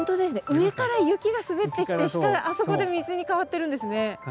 上から雪が滑ってきて下あそこで水に変わってるんですね。